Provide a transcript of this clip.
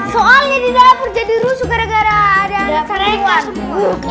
soalnya di dapur jadi rusuk gara gara ada anak anak yang masuk